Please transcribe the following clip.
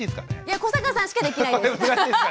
いや古坂さんしかできないです。